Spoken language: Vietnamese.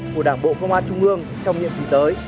của đảng bộ công an trung ương trong nhiệm kỳ tới